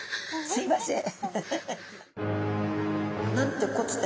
すいません。